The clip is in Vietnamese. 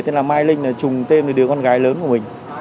tên là mai linh là chùng tên với đứa con gái lớn của mình